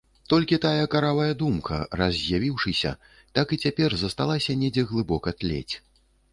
Толькі тая каравая думка, раз з'явіўшыся, так і цяпер засталася недзе глыбока тлець.